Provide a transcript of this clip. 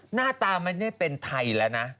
หน้าตามันไม่ได้เป็นไทยละนะ